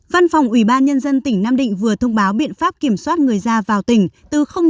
văn phòng ủy ban nhân dân tỉnh nam định vừa thông báo biện pháp kiểm soát người ra vào tỉnh từ h ngày một mươi sáu tháng một mươi